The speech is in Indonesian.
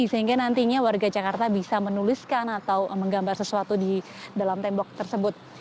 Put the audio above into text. sehingga nantinya warga jakarta bisa menuliskan atau menggambar sesuatu di dalam tembok tersebut